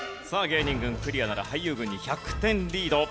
芸人軍クリアなら俳優軍に１００点リード。